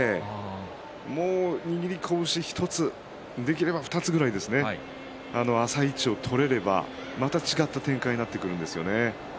握り拳もうひとつできれば２つぐらい浅い位置を取れればまた違った展開になってくるんですよね。